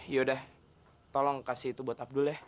yaudah tolong kasih itu buat abdul deh